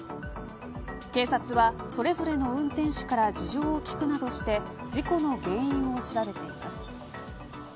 警察は、それぞれの運転手から事情を聞くなどして事故の原因を調べています。